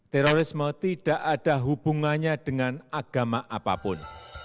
terorisme tidak ada hubungannya dengan agama apapun